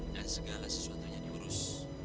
dan segala sesuatunya diurus